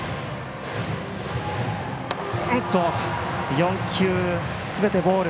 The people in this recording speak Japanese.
４球すべてボール。